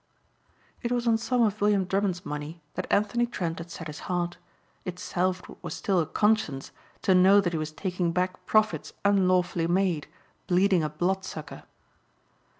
It was on some of William Drummond's money that Anthony Trent had set his heart. It salved what was still a conscience to know that he was taking back profits unlawfully made, bleeding a blood sucker.